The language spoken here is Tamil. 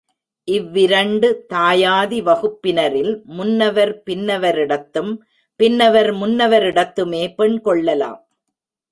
இவ்விரண்டு தாயாதி வகுப்பினரில் முன்னவர் பின்னவரிடத்தும், பின்னவர் முன்னவரிடத்துமே பெண் கொள்ளலாம்.